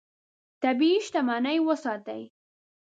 طبیعي شتمنۍ وساتې.